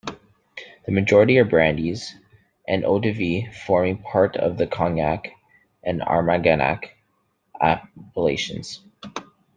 The majority are brandies and eaux-de-vie forming part of the Cognac and Armagnac appellations.